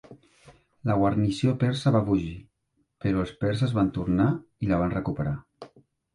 La guarnició persa va fugir, però els perses van tornar i la van recuperar.